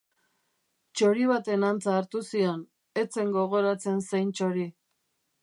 Txori baten antza hartu zion, ez zen gogoratzen zein txori.